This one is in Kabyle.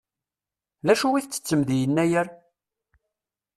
D acu i ttettem di Yennayer?